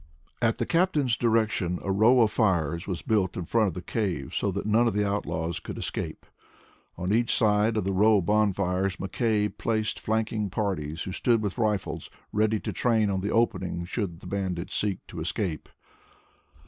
At the captain's direction, a row of fires was built in front of the cave so that none of the outlaws could escape. On each side of the row of bonfires McKay placed flanking parties who stood with rifles ready to train on the opening should the bandits seek to escape.